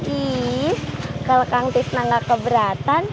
ih kalau kan tisna gak keberatan